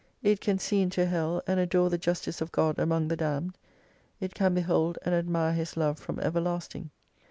It can see into hell and adore the justice of God among the damned ; it can behold and admire His Love from everlasting.